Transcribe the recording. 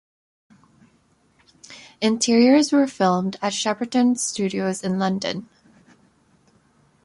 Interiors were filmed at Shepperton Studios in London.